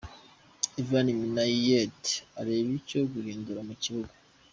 Ivan Minaert areba icyo yahindura mu kibuga